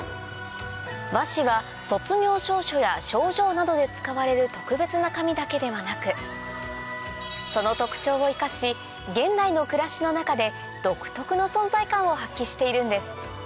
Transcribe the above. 和紙は卒業証書や賞状などで使われる特別な紙だけではなくその特徴を生かし現代の暮らしの中でを発揮しているんです